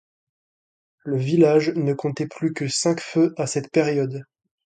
Le village ne comptait plus que cinq feu à cette période.